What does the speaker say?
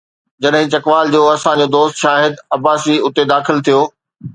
جڏهن چکوال جو اسان جو دوست شاهد عباسي اتي داخل ٿيو.